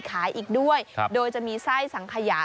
ขายอีกด้วยโดยจะมีไส้สังขยา